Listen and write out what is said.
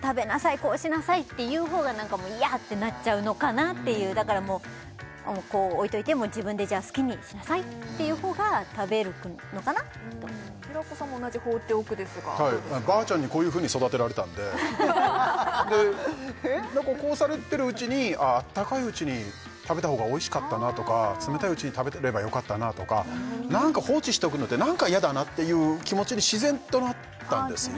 「こうしなさい」っていうほうが「嫌！」ってなっちゃうのかなっていうだからもうこう置いといて「自分で好きにしなさい」っていうほうが食べるのかなと平子さんも同じ「放っておく」ですがばあちゃんにこういうふうに育てられたんででこうされてるうちにあったかいうちに食べたほうがおいしかったなとか冷たいうちに食べてればよかったなとかなんか放置しておくのってなんか嫌だなっていう気持ちで自然となったんですよ